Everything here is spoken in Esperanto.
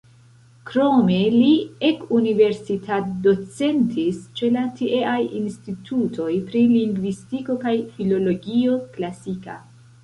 Krome li ekuniversitatdocentis ĉe la tieaj institutoj pri lingvistiko kaj filologio klasika.